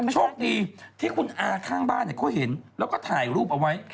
โชคดีที่คุณอาข้างบ้านเขาเห็นแล้วก็ถ่ายรูปเอาไว้